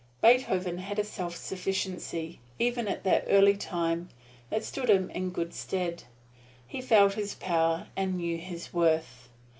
Beethoven had a self sufficiency, even at that early time, that stood him in good stead. He felt his power, and knew his worth.